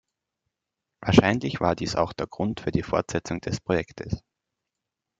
Wahrscheinlich war dies auch der Grund für die Fortsetzung des Projektes.